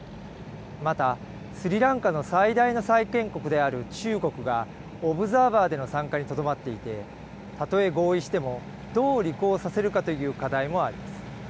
また、スリランカの最大の債権国である中国が、オブザーバーでの参加にとどまっていて、たとえ合意しても、どう履行させるかという課題もあります。